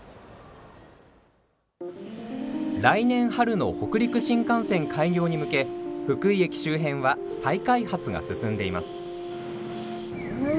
来年春の北陸新幹線開業に向け福井駅周辺は再開発が進んでいます。